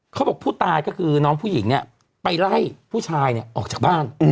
เขาบอกผู้ตายก็คือน้องผู้หญิงเนี่ยไปไล่ผู้ชายเนี่ยออกจากบ้าน